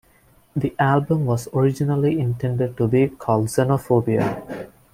The album was originally intended to be called "Xenophobia".